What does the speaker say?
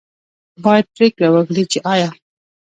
باید پرېکړه وکړي چې آیا